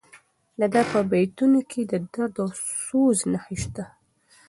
د ده په بیتونو کې د درد او سوز نښې شته.